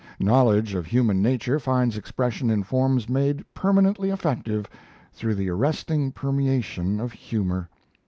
Knowledge of human nature finds expression in forms made permanently effective through the arresting permeation of humour.